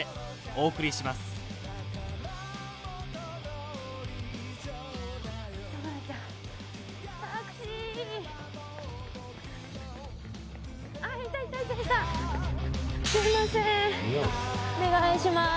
お願いします。